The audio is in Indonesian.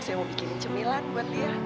saya mau bikin cemilan buat dia